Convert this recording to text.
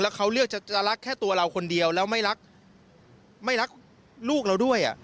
เขาเลือกจะรักแค่ตัวเราคนเดียวแล้วไม่รักลูกเราด้วย